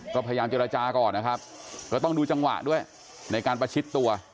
ก็พยายามเจรจาก่อนนะครับก็ต้องดูจังหวะด้วยในการประชิดตัว